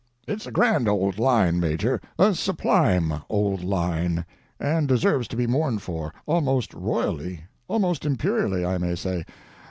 "It's a grand old line, major, a sublime old line, and deserves to be mourned for, almost royally; almost imperially, I may say.